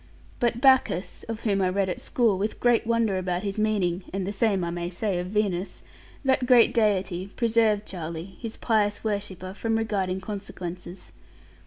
But Bacchus (of whom I read at school, with great wonder about his meaning and the same I may say of Venus) that great deity preserved Charlie, his pious worshipper, from regarding consequences.